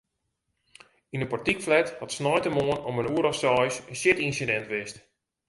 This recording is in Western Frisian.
Yn in portykflat hat sneintemoarn om in oere of seis in sjitynsidint west.